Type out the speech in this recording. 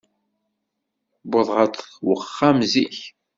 Tuweḍ ɣer wexxam zik.